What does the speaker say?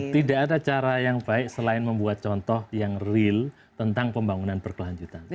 tidak ada cara yang baik selain membuat contoh yang real tentang pembangunan berkelanjutan